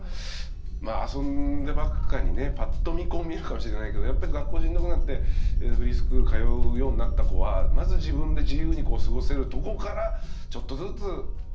まあ遊んでばっかにねパッと見こう見えるかもしれないけどやっぱり学校しんどくなってフリースクール通うようになった子はまず自分で自由に過ごせるとこからちょっとずつ傷が癒えてきてみたいな。